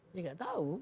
ini gak tahu